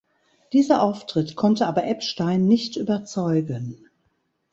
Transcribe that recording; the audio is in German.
Dieser Auftritt konnte aber Epstein nicht überzeugen.